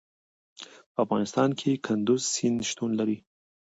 په افغانستان کې کندز سیند شتون لري.